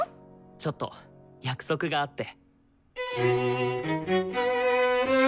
ちょっと約束があって。